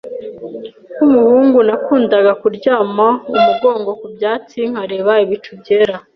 Nkumuhungu, nakundaga kuryama umugongo ku byatsi nkareba ibicu byera.